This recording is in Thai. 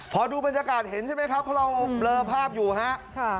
พอดูบรรยากาศเห็นใช่ไหมครับเพราะเราเบลอภาพอยู่ฮะ